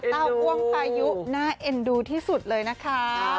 เต้ากว้องปลายุหน้าเอ็นดูที่สุดเลยนะคะ